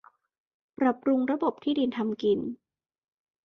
ปรับปรุงระบบที่ดินทำกิน